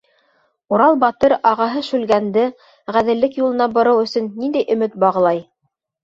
Урал батыр ағаһы Шүлгәнде ғәҙеллек юлына бороу өсөн ниндәй өмөт бағлай?